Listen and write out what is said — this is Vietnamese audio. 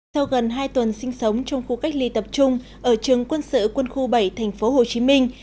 sau gần hai tuần sinh sống trong khu cách ly tập trung ở trường quân sự quân khu bảy thành phố hồ chí minh